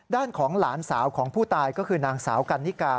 ด้านของหลานสาวของผู้ตายก็คือนางสาวกันนิกา